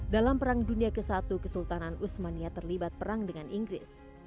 dalam perang dunia i kesultanan usmania terlibat perang dengan inggris